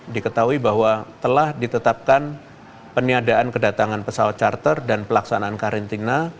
diketahui bahwa telah ditetapkan peniadaan kedatangan pesawat charter dan pelaksanaan karantina